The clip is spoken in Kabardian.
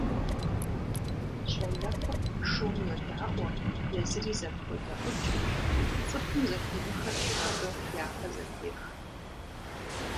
Щолэхъур шум йодаӀуэ, езыри зэпходэӏукӏ; цӀыхум зэхимыхыр абы япэ зэхех.